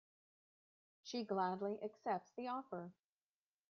She gladly accepts the offer.